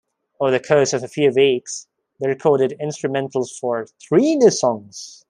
Over the course of a few weeks, they recorded instrumentals for three new songs.